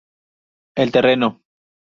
El Terreno.